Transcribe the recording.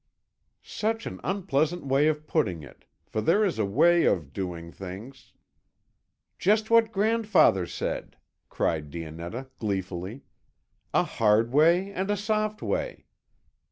"Such an unpleasant way of putting it; for there is a way of doing things " "Just what grandfather said," cried Dionetta, gleefully, "a hard way and a soft way."